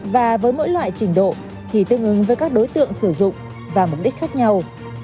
và với mỗi loại trình độ thì tương ứng với các đối tượng sử dụng và mục đích khác nhau